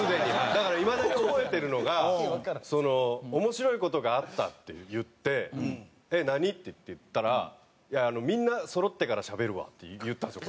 だからいまだに覚えてるのがその「面白い事があった」って言って「えっ何？」って言ったら「みんなそろってからしゃべるわ」って言ったんですよ